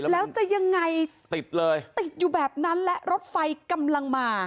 แล้วจะยังไงติดเลยติดอยู่แบบนั้นและรถไฟกำลังมา